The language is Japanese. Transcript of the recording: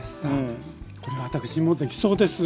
これ私もできそうです。